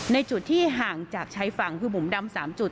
ในจุดที่ห่างจากชายฝั่งคือบุ๋มดำ๓จุด